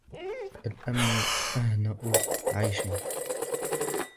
الْأَمْنُ أَهْنَأُ عَيْشٍ